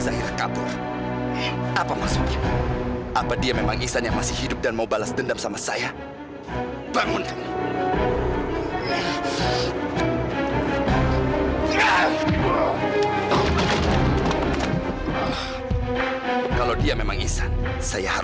sampai jumpa di video selanjutnya